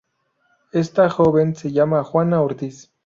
Esta joven se llamaba Juana Ortiz.